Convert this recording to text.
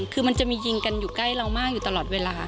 คือมันจะมียิงกันอยู่ใกล้เรามากอยู่ตลอดเวลา